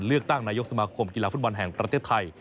เลือกตั้งนายกสมาคมกีฬาฟุตบอลแห่งประเทศไทย